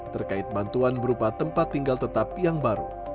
terkait bantuan berupa tempat tinggal tetap yang baru